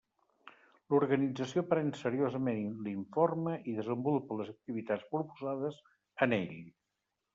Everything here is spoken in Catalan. L'Organització pren seriosament l'informe i desenvolupa les activitats proposades en ell.